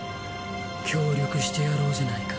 協力してやろうじゃないか。